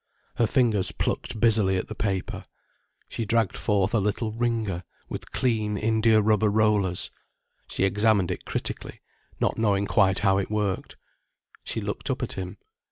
Her fingers plucked busily at the paper. She dragged forth a little wringer, with clean indiarubber rollers. She examined it critically, not knowing quite how it worked. She looked up at him.